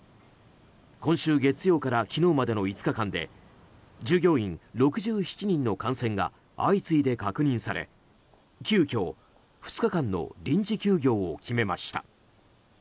今週月曜から昨日までの５日間で従業員６７人の感染が相次いで確認され急きょ２日間の臨時休業を決めました。